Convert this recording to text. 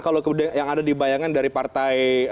kalau yang ada di bayangan dari partai